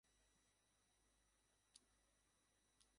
টুসু উৎসবের অন্যতম প্রধান আকর্ষণ টুসু সংগীত।